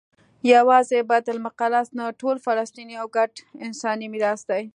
یوازې بیت المقدس نه ټول فلسطین یو ګډ انساني میراث دی.